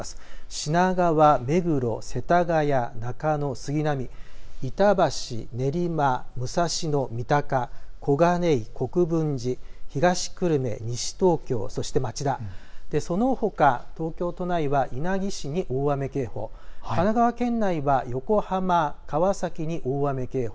品川、目黒、世田谷、中野、杉並、板橋、練馬、武蔵野、三鷹、小金井、国分寺、東久留米、西東京、そして町田、そのほか東京都内は稲城市に大雨警報、神奈川県内は横浜、川崎に大雨警報。